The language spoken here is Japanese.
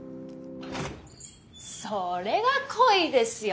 それが恋ですよ。